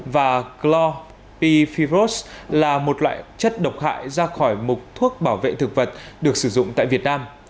và cla pfiros là một loại chất độc hại ra khỏi mục thuốc bảo vệ thực vật được sử dụng tại việt nam